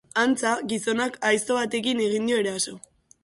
Antza, gizonak aizto batekin egin dio eraso.